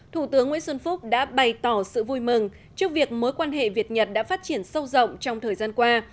thủ tướng nguyễn xuân phúc đã bày tỏ sự vui mừng trước việc mối quan hệ việt nhật đã phát triển sâu rộng trong thời gian qua